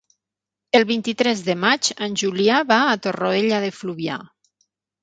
El vint-i-tres de maig en Julià va a Torroella de Fluvià.